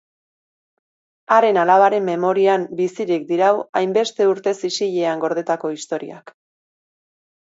Haren alabaren memorian bizirik dirau hainbeste urtez isilean gordetako historiak.